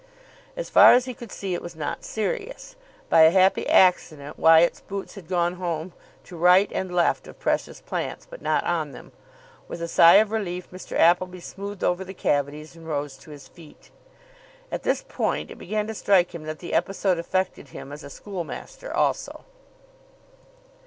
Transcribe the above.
As far as he could see, it was not serious. By a happy accident Wyatt's boots had gone home to right and left of precious plants but not on them. With a sigh of relief Mr. Appleby smoothed over the cavities, and rose to his feet. At this point it began to strike him that the episode affected him as a schoolmaster also.